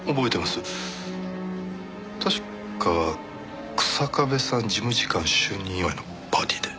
確か日下部さんの事務次官就任祝いのパーティーで。